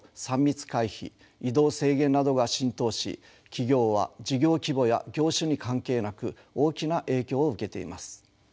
三密回避移動制限などが浸透し企業は事業規模や業種に関係なく大きな影響を受けています。